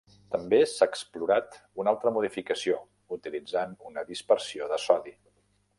També s'ha explorat una altra modificació utilitzant una dispersió de sodi.